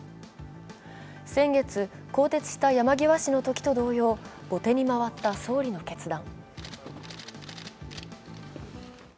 先月、更迭した山際氏のときと同様後手に回った総理の決断。